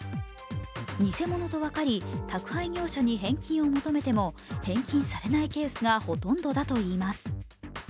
偽物と分かり、宅配業者に返金を求めても、返金されないケースがほとんどだといいます。